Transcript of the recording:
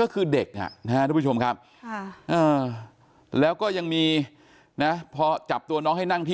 ก็คือเด็กนะครับทุกผู้ชมครับแล้วก็ยังมีนะพอจับตัวน้องให้นั่งที่